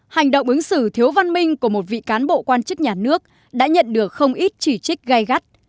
hành động ứng xử thiếu văn minh của một vị cán bộ quan chức nhà nước đã nhận được không ít chỉ trích gây gắt